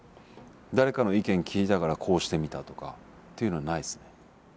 誰かの意見聞いたからこうしてみたとかっていうのはないですね。